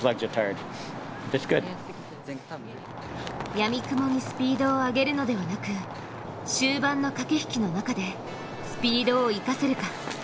やみくもにスピードを上げるのではなく終盤の駆け引きの中でスピードを生かせるか。